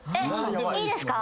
いいですか？